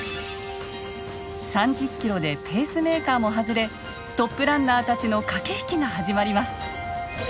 ３０ｋｍでペースメーカーも外れトップランナーたちの駆け引きが始まります。